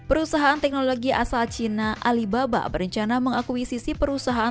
perusahaan teknologi asal cina alibaba berencana mengakuisisi perusahaan